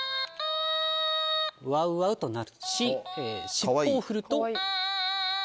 ワウワウと鳴くし尻尾を振ると。